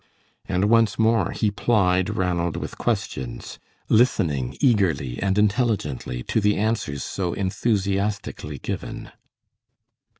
And once more he plied Ranald with questions, listening eagerly and intelligently to the answers so enthusiastically given.